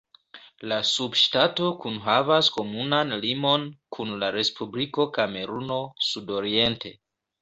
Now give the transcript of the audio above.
La subŝtato kunhavas komunan limon kun la Respubliko Kameruno sudoriente.